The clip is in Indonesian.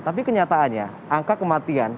tapi kenyataannya angka kematian